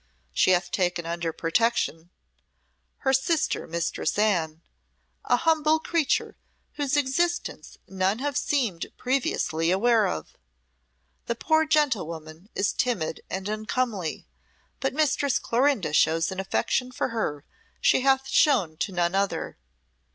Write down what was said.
She hath taken under protection her sister Mistress Anne, a humble creature whose existence none have seemed previously aware of. The poor gentlewoman is timid and uncomely, but Mistress Clorinda shows an affection for her she hath shown to none other.